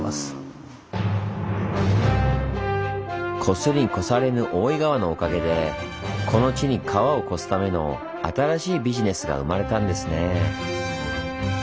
越すに越されぬ大井川のおかげでこの地に川を越すための新しいビジネスが生まれたんですねぇ。